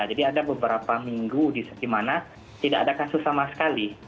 jadi ada beberapa minggu di mana tidak ada kasus sama sekali